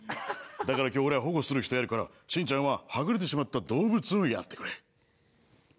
だから今日俺は保護する人やるからしんちゃんははぐれてしまった動物をやってくれ。